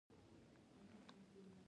دى کور ته هره ورځ ځي.